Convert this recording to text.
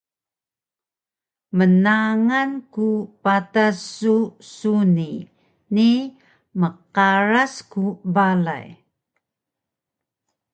Mnangal ku patas su suni ni mqaras ku balay